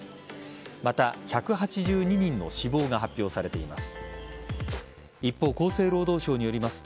また１８２人の死亡が発表されています。